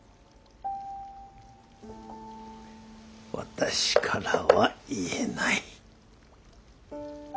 私からは言えない。